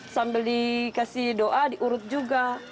sambil dikasih doa diurut juga